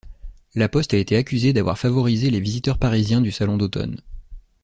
La Poste a été accusée d'avoir favorisé les visiteurs parisiens du Salon d'automne.